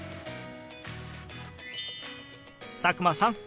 佐久間さん